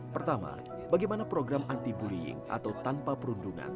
pertama bagaimana program anti bullying atau tanpa perundungan